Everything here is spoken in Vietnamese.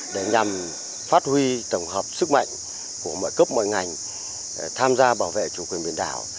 để nhằm phát huy tổng hợp sức mạnh của mọi cấp mọi ngành tham gia bảo vệ chủ quyền biển đảo